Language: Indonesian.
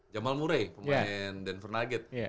jamal murey pemain denver nugget